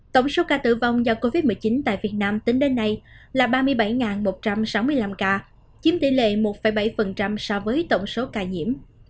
tổng số ca tử vong do covid một mươi chín tại việt nam tính đến nay là ba mươi bảy một trăm sáu mươi năm ca chiếm tỷ lệ một bảy so với tổng số ca nhiễm